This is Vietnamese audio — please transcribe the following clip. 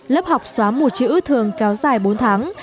lớp học xóa mù chữ thường kéo dài bốn tháng